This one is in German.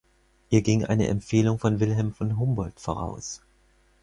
Ihr ging eine Empfehlung von Wilhelm von Humboldt voraus.